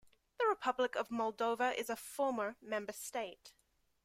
The Republic of Moldova is a former member state.